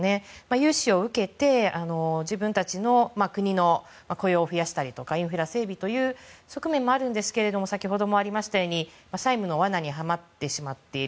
融資を受けて、自分たちの国の雇用を増やしたりとかインフラ整備という側面もあるんですけど先ほどもありましたように債務の罠にはまってしまっている。